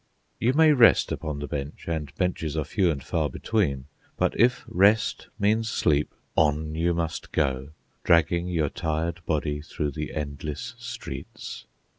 You may rest upon the bench, and benches are few and far between; but if rest means sleep, on you must go, dragging your tired body through the endless streets.